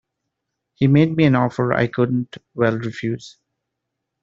He made me an offer I couldn't well refuse.